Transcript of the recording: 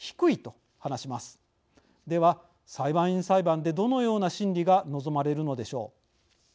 では裁判員裁判でどのような審理が望まれるのでしょう。